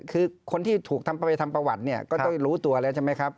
คือคนที่ถูกทำไปทำประวัติเนี่ยก็ต้องรู้ตัวแล้วใช่ไหมครับ